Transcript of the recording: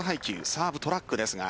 サーブトラック。